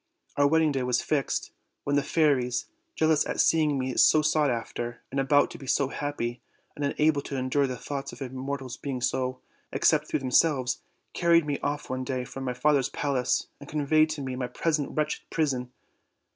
Our wed ding day was fixed, when the fairies, jealous at seeing me so sought after, and about to be so happy, and unable to endure the thoughts of a mortal's being so, except through themselves, carried me off one day from my father's palace, and conveyed me to my present wretched prison.